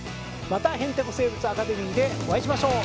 また「へんてこ生物アカデミー」でお会いしましょう。